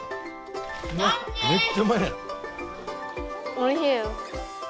おいしい。